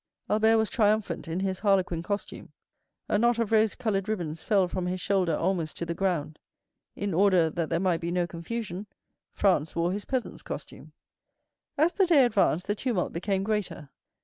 Albert was triumphant in his harlequin costume. A knot of rose colored ribbons fell from his shoulder almost to the ground. In order that there might be no confusion, Franz wore his peasant's costume. As the day advanced, the tumult became greater.